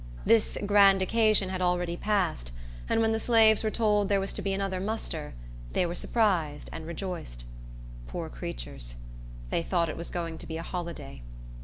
This grand occasion had already passed; and when the slaves were told there was to be another muster, they were surprised and rejoiced. Poor creatures! They thought it was going to be a holiday.